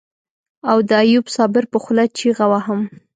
او د ايوب صابر په خوله چيغه وهم.